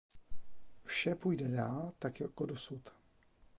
Vše půjde dál tak jako dosud.